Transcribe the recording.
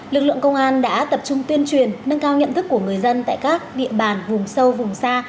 lực lượng công an đã tập trung tuyên truyền nâng cao nhận thức của người dân tại các địa bàn vùng sâu vùng xa